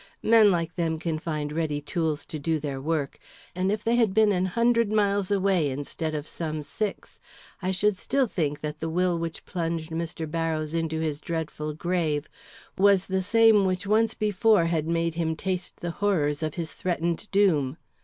Men like them can find ready tools to do their work, and if they had been an hundred miles away instead of some six, I should still think that the will which plunged Mr. Barrows into his dreadful grave was the same which once before had made him taste the horrors of his threatened doom.